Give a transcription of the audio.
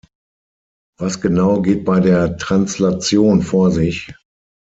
Was genau geht bei der Translation vor sich?